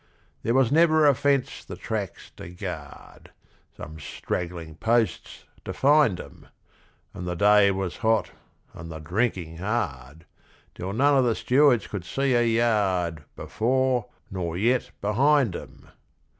There was never a fence the tracks to guard, Some straggling posts defined 'em: And the day was hot, and the drinking hard, Till none of the stewards could see a yard Before nor yet behind 'em!